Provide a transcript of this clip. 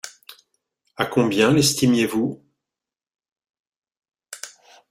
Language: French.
A combien l'estimiez-vous ?